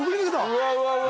うわうわうわ